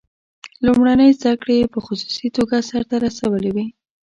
لومړنۍ زده کړې یې په خصوصي توګه سرته رسولې وې.